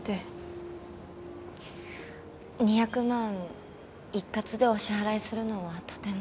２００万一括でお支払いするのはとても。